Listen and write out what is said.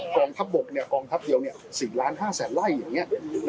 กองทัพบกกองทัพเดียว๔๕๐๐๐ไร่อย่างนี้